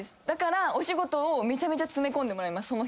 だからお仕事をめちゃめちゃ詰め込んでもらいます